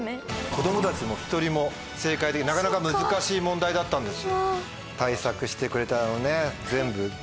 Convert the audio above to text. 子供たち１人も正解できなかったなかなか難しい問題だったんです。